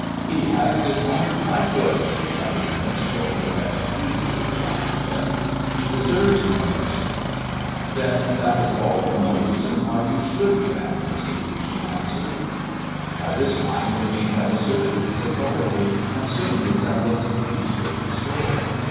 "He has dishonoured knighthood!" muttered the minstrel who had previously challenged him. "He deserves no mercy." "Then that is all the more reason why you should grant mercy," she answered. By this time the King had asserted his authority, and soon the semblance of peace was restored.